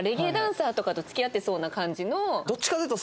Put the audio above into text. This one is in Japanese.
どっちかというと。